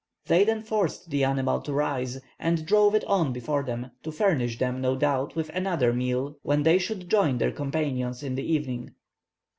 They then forced the animal to rise, and drove it on before them, to furnish them, no doubt, with another meal when they should join their companions in the evening."